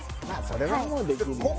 それはもうできるよね